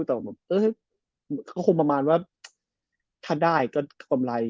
แต่ความประมาณว่าถ้าได้ก็พร้อมไร